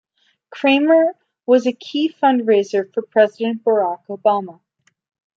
Kramer was a key fundraiser for president Barack Obama.